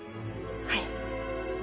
はい。